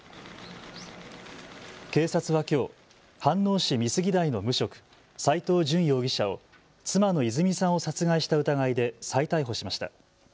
警察はきょう飯能市美杉台の無職、斎藤淳容疑者を妻の泉さんを殺害した疑いで再逮捕しました。